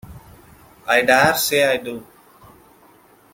I dare say I do.